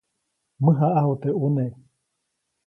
Mäjaʼaju teʼ ʼune.